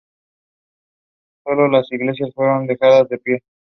Sólo las iglesias fueron dejadas en pie.